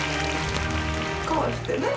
こうしてね。